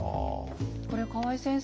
これ河合先生